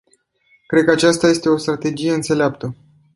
Cred că aceasta este o strategie înțeleaptă.